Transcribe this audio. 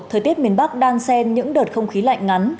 thời tiết miền bắc đang xen những đợt không khí lạnh ngắn